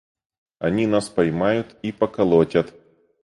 – Они нас поймают и поколотят.